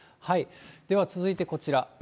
では続いてこちら。